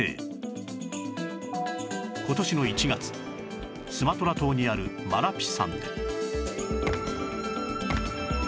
今年の１月スマトラ島にあるマラピ山で